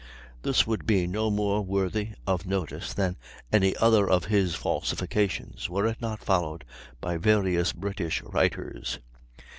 This would be no more worthy of notice than any other of his falsifications, were it not followed by various British writers.